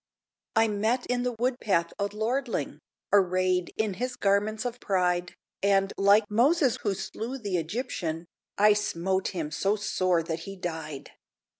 I met in the wood path a lordling, Arrayed in his garments of pride, And, like Moses who slew the Egyptian, I smote him so sore that he died!